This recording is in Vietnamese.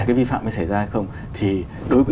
cái vi phạm mới xảy ra hay không thì đối với